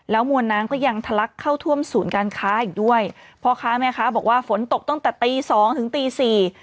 มวลน้ำก็ยังทะลักเข้าท่วมศูนย์การค้าอีกด้วยพ่อค้าแม่ค้าบอกว่าฝนตกตั้งแต่ตีสองถึงตีสี่